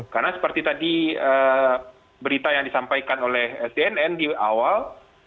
karena seperti tadi berita yang disampaikan oleh sdn di awal